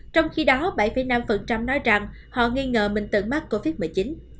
trong khi đó bảy năm nói rằng họ nghi ngờ mình từng mắc covid một mươi chín